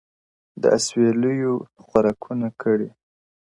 د اسويـــــلـويـو خــــوراكــــونـــــه كــــــــــړي،